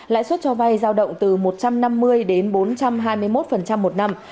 lãi suất cho vay giao động từ một trăm năm mươi đến bốn trăm hai mươi một một năm